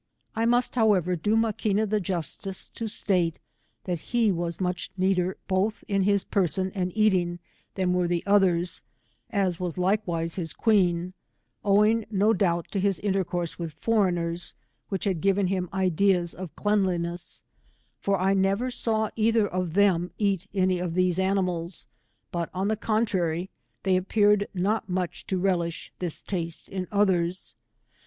I must, however, do Maquina the justice to state, that he was much neater both in his person and eating than were the others, as was likewise his queen, owing no doubt to his intercourse with foreigners, which had given him ideas of cleanliness, for I never saw either of them eat any of these animals, but on the contrary they appeared not much to relish this tast.e in others.